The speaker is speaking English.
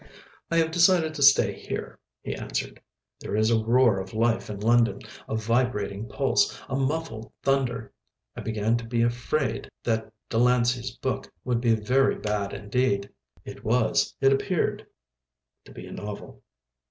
"I have decided to stay here," he answered, "there is a roar of life in London, a vibrating pulse, a muffled thunder." I began to be afraid that Delancey's book would be very bad indeed. It was, it appeared, to be a novel.